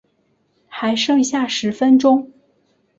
还剩下十分钟